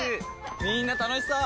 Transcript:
みんな楽しそう！